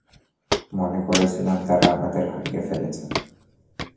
মনে করেছিলাম তারা আমাদের হারিয়ে ফেলেছে।